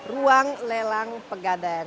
ruang lelang pegadaian